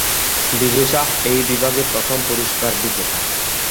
বিজু শাহ এই বিভাগে প্রথম পুরস্কার বিজেতা।